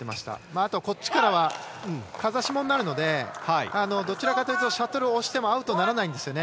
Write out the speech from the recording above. あと、こっちからは風下になるのでどちらかというとシャトルを押してもアウトにならないんですね。